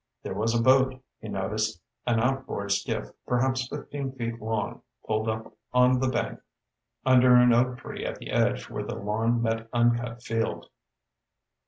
There was a boat, he noticed, an outboard skiff perhaps fifteen feet long, pulled up on the bank under an oak tree at the edge where the lawn met uncut field.